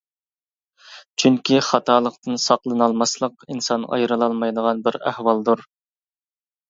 چۈنكى، خاتالىقتىن ساقلىنالماسلىق ئىنسان ئايرىلالمايدىغان بىر ئەھۋالدۇر.